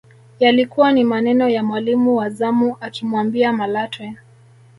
Yalikuwa ni maneno ya mwalimu wa zamu akimwambia Malatwe